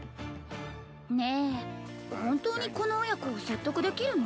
ねえ本当にこの親子説得できるの？